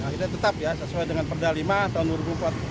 kita tetap ya sesuai dengan perda lima tahun dua ribu empat belas